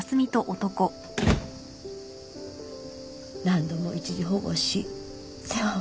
何度も一時保護し世話をした。